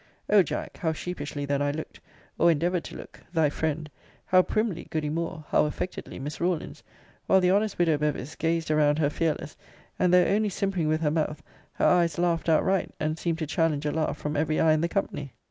O Jack! how sheepishly then looked, or endeavoured to look, thy friend! how primly goody Moore! how affectedly Miss Rawlins! while the honest widow Bevis gazed around her fearless; and though only simpering with her mouth, her eyes laughed outright, and seemed to challenge a laugh from every eye in the company.